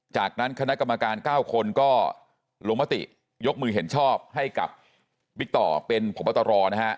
จากนั้นคณะกรรมการ๙คนก็ลงมติยกมือเห็นชอบให้กับบิ๊กต่อเป็นพบตรนะฮะ